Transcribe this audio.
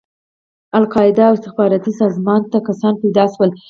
القاعده او استخباراتي سازمان ته کسان پيدا شول.